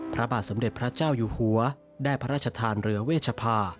พระบาทสมเด็จพระเจ้าอยู่หัวได้พระราชทานเรือเวชภา